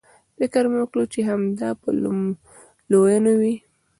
فکر مې وکړ چې همدا به لویینو وي.